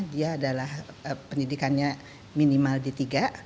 dia adalah pendidikannya minimal di tiga